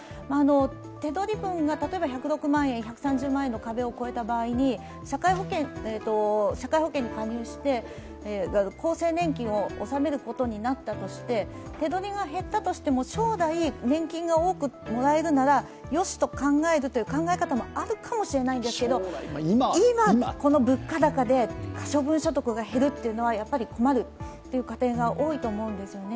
手取り分が例えば１０６万円、１３０万円の壁を越えた場合に社会保険に加入して厚生年金を納めることになったとして手取りが減ったとしても、将来年金が多くもらえるならよしと考えるという考え方もあるかもしれないんですけど、今、この物価高で可処分所得が減るのはやっぱり困るという家庭が多いと思うんですよね。